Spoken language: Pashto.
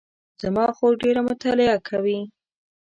زما خور ډېره مطالعه کوي